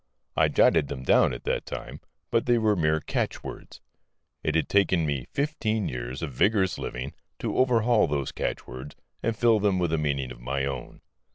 I jotted them down at that time, but they were mere catchwords. It had taken me fifteen years of vigorous living to overhaul those catchwords and fill them with a meaning of my own.